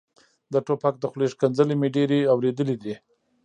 د ټوپک د خولې ښکنځلې مې ډېرې اورېدلې دي.